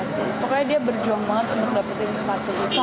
pokoknya dia berjuang banget untuk dapetin sepatu itu